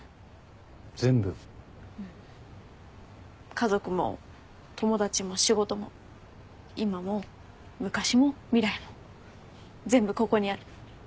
家族も友達も仕事も今も昔も未来も全部ここにある。